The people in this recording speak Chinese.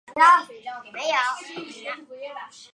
他的观察包括了对月球表面特征的测量。